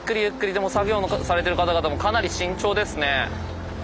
でも作業されてる方々もかなり慎重ですね。